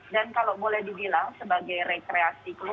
dan kalau boleh dibilang sebagai rekreasi keluarga